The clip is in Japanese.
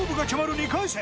２回戦